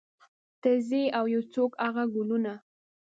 ته ځې او یو څوک هغه ګلونه